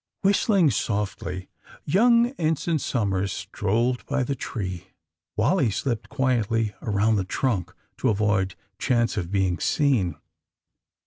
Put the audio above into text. Whistling softly, young Ensign Somers strolled by the tree. Wally slipped quietly around the trunk, to avoid chance of being seen.